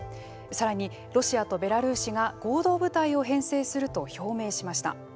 さらに、ロシアとベラルーシが合同部隊を編成すると表明しました。